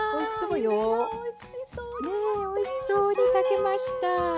おいしそうに炊けました。